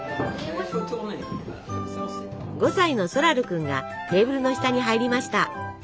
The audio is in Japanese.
５歳のソラル君がテーブルの下に入りました。